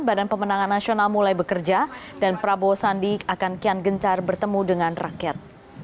badan pemenangan nasional mulai bekerja dan prabowo sandi akan kian gencar bertemu dengan rakyat